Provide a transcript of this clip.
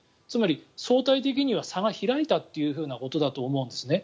つまり、相対的には差が開いたということだと思うんです。